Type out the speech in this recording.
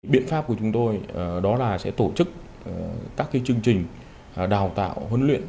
biện pháp của chúng tôi đó là sẽ tổ chức các chương trình đào tạo huấn luyện